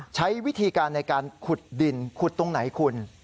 ใช้วิธีการในการขุดดินขุดตรงไหนคุณ